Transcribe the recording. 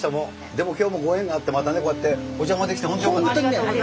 でも今日もご縁があってまたねこうやってお邪魔できて本当よかったです。